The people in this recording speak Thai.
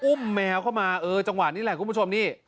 แมวเข้ามาเออจังหวะนี้แหละคุณผู้ชมนี่